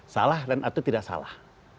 salah dan atau tidak salah